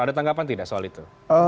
ada tanggapan tidak soal itu